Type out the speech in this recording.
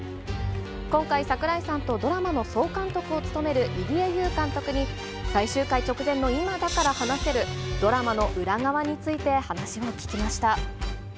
今回、櫻井さんとドラマの総監督を務める入江悠監督に、最終回直前の今だから話せるドラマの裏側について話を聞きました。